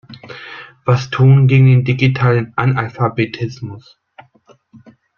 Was tun gegen den digitalen Analphabetismus?